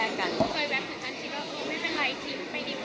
เธอเคยแบบว่ามาเป็นอะไรหรือเค้าจีบไม่ดีกว่านั้น